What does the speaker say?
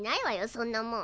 そんなもん。